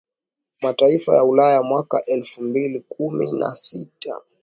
Mataifa ya Ulaya mwaka elfu mbili kumi na sita